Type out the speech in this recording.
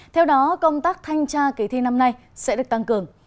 theo đó công tác thanh tra kỳ thi năm nay sẽ được tăng cường